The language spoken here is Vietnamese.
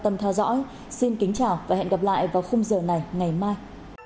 tâm theo dõi xin kính chào và hẹn gặp lại vào khung giờ này ngày mai